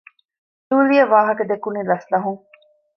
ޖޫލީއަށް ވާހަކަދެއްކުނީ ލަސްލަހުން